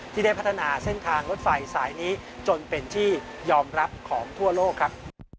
ที่ได้พัฒนาเส้นทางรถไฟสายนี้จนเป็นที่ยอมรับของทั่วโลกครับ